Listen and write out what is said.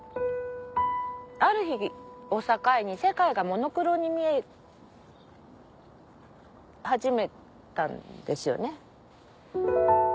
ある日を境に世界がモノクロに見え始めたんですよね。